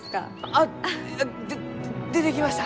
あで出てきました！